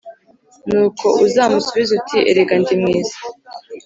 Nuko uzamusubize uti Erega ndimwiza